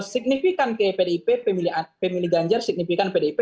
signifikan ke pdip pemilih ganjar signifikan pdip